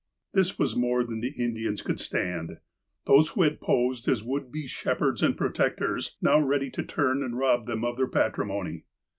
This was more than the Indians could stand. Those who had posed as would be shepherds and protectors, now ready to turn and rob them of their patrimony